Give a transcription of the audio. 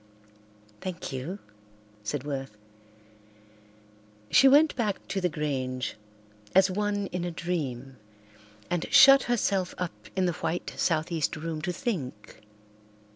"Thank you," said Worth. She went back to the Grange as one in a dream and shut herself up in the white southeast room to think.